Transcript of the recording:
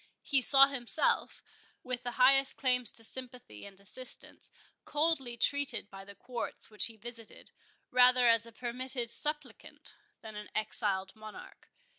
He saw himself, with the highest claims to sympathy and assistance, coldly treated by the Courts which he visited, rather as a permitted supplicant, than an exiled Monarch.